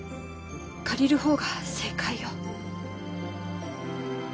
借りる方が正解よ。